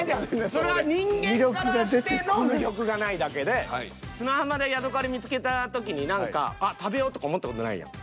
それは人間から見ての魅力がないだけで砂浜でヤドカリ見つけた時に何か食べようとか思った事ないやん。